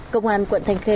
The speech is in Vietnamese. công an quận thành khê